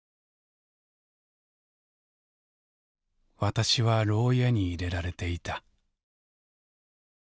「私は牢屋に入れられていた」。